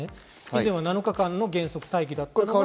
以前は７日間の原則待機だった。